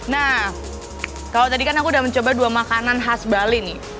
nah kalau tadi kan aku udah mencoba dua makanan khas bali nih